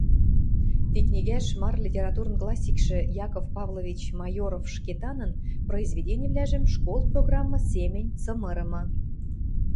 Ти книгӓш мары литературын классикшӹ Яков Павлович Майоров-Шкетанын произведенивлӓжӹм школ программа семӹнь цымырымы.